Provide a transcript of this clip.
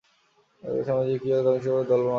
স্বামীজী কিয়ৎক্ষণ পরে দলবলসহ তথায় পৌঁছিলেন।